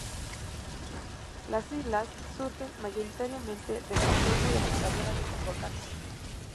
Las islas surgen mayoritariamente del contorno de las calderas de estos volcanes.